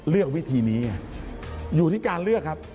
เลือกวิธีนี้ไงอยู่ที่การเลือกครับ